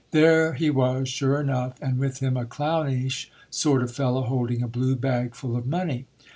There he wf s, sure enough, and with him a clownish sort of fellow holding a blue bag, full of money.